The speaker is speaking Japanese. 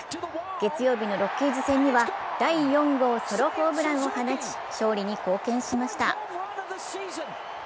月曜日のロッキーズ戦には第４号ソロホームランを放ち勝利に貢献しました。